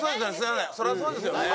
そりゃそうですよね。